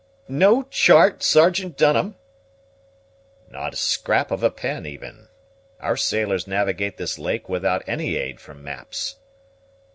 "No chart, Sergeant Dunham!" "Not a scrap of a pen even. Our sailors navigate this lake without any aid from maps."